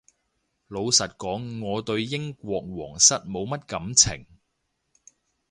老實講我對英國皇室冇乜感情